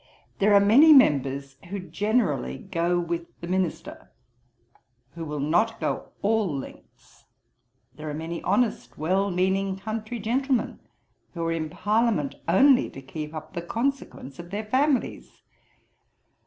There are many members who generally go with the Minister, who will not go all lengths. There are many honest well meaning country gentleman who are in parliament only to keep up the consequence of their families.